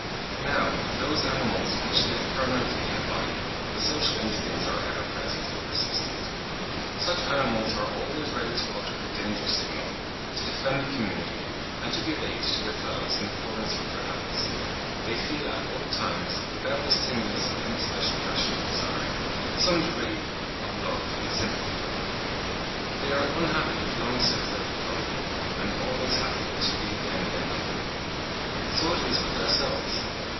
Now with those animals which live permanently in a body, the social instincts are ever present and persistent. Such animals are always ready to utter the danger signal, to defend the community, and to give aid to their fellows in accordance with their habits; they feel at all times, without the stimulus of any special passion or desire, some degree of love and sympathy for them; they are unhappy if long separated from them, and always happy to be again in their company. So it is with ourselves.